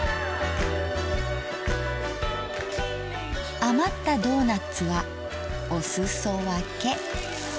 余ったドーナッツはお裾分け。